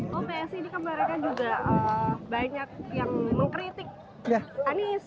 kok psi ini kemarin kan juga banyak yang mengkritik anies